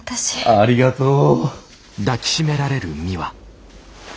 ありがとう。